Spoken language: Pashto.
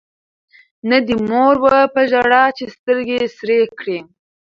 نه دي مور وه په ژړا چي سترګي سرې کړي